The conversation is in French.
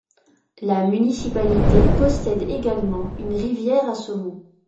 La municipalité possède également une rivière à saumons.